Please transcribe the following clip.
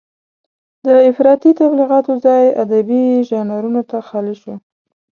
د افراطي تبليغاتو ځای ادبي ژانرونو ته خالي شو.